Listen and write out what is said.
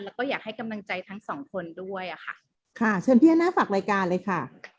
แล้วก็อยากให้กำลังใจทั้งสองคนด้วยอ่ะค่ะเชิญพี่อันน่าฝากรายการเลยค่ะ